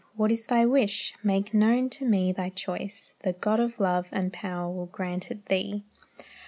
What is thy wish? Make known to me thy choice; The God of love and power will grant it thee!"